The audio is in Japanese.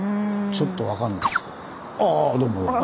ちょっと分かんないですけどあ